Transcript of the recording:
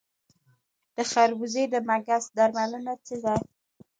د خربوزې د مګس درملنه څه ده؟